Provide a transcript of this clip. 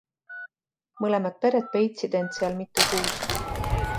Mõlemad pered peitsid end seal mitu kuud.